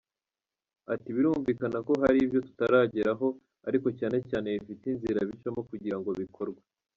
Ati″Birumvikana hari ibyo tutarageraho ariko cyane cyane bifite inzira bicamo kugira ngo bikorwe.